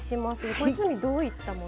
これちなみにどういったもの？